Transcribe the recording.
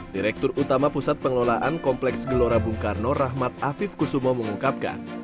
direktur utama pusat pengelolaan kompleks gelora bung karno rahmat afif kusumo mengungkapkan